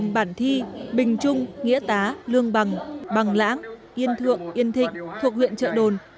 bản thi bình trung nghĩa tá lương bằng bằng lãng yên thượng yên thịnh thuộc huyện trợ đồn